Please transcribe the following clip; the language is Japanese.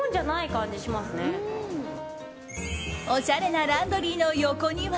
おしゃれなランドリーの横には。